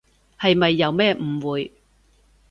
係咪有咩誤會？